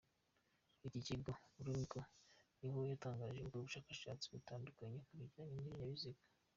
Muri iki kigo Gromyko niho yatangiriye gukora ubushakashatsi butandukanye ku bijyanye n’ibinyabiziga.